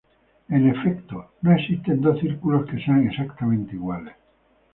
En efecto, no existen dos círculos que sean exactamente iguales.